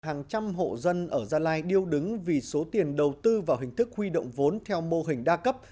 hàng trăm hộ dân ở gia lai điêu đứng vì số tiền đầu tư vào hình thức huy động vốn theo mô hình đa cấp